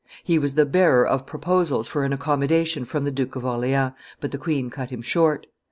He was the bearer of proposals for an accommodation from the Duke of Orleans, but the queen cut him short.